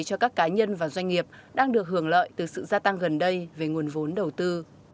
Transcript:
cho các cá nhân và doanh nghiệp đang được hưởng lợi từ sự gia tăng gần đây về nguồn vốn đầu tư